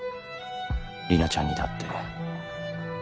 里奈ちゃんにだって